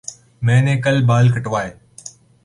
میں نے کل بال کٹوائے